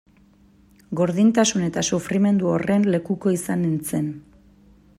Gordintasun eta sufrimendu horren lekuko izan nintzen.